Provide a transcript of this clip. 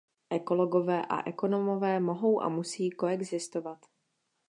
Ekologové a ekonomové mohou a musí koexistovat.